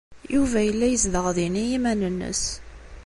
Yuba yella yezdeɣ din i yiman-nnes.